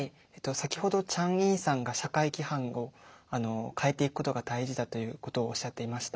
先ほどチャン・イさんが社会規範を変えていくことが大事だということをおっしゃっていました。